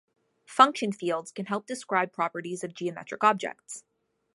Function fields can help describe properties of geometric objects.